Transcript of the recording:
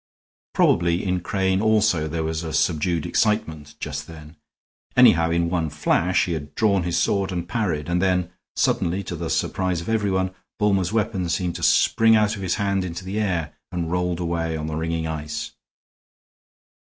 Probably in Crane also there was a subdued excitement just then; anyhow, in one flash he had drawn his own sword and parried; and then suddenly, to the surprise of everyone, Bulmer's weapon seemed to spring out of his hand into the air and rolled away on the ringing ice.